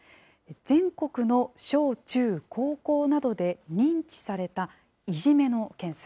全国の小中高校などで認知されたいじめの件数。